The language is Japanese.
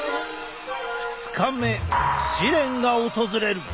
２日目試練が訪れる！